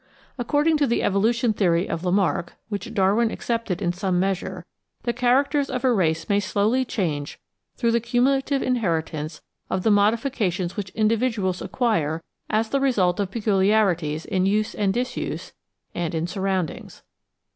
According to the evolution theory of Lamarck, which Darwin accepted in some measure, the characters of a race may slowly change through the cumulative inheritance of the modifica tions which individuals acquire as the result of peculiarities in use and disuse, and in siu*roundings.